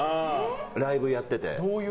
ライブやってて。